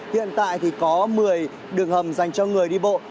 hiện tại thì có một mươi đường hầm dành cho người đi bộ